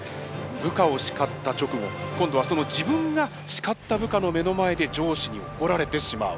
部下を叱った直後今度は自分が叱った部下の目の前で上司に怒られてしまう。